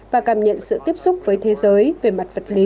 và cảm nhận sự tiếp xúc với thế giới về mặt vật lý